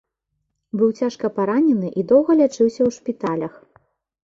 Быў цяжка паранены і доўга лячыўся ў шпіталях.